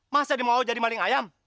mas jadi mau jadi maling ayam